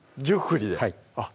１０振りであっ